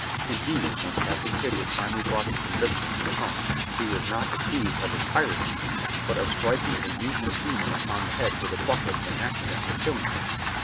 Indeed, when Captain Kidd was finally brought to conviction and hung, he was not accused of his piracies, but of striking a mutinous seaman upon the head with a bucket and accidentally killing him.